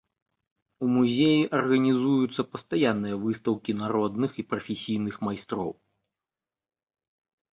У музеі арганізуюцца пастаянныя выстаўкі народных і прафесійных майстроў.